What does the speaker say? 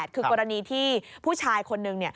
คือกรณีที่ผู้ชายคนหนึ่ง